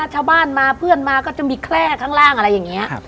ชาวบ้านมาเพื่อนมาก็จะมีแคล่ข้างล่างอะไรอย่างนี้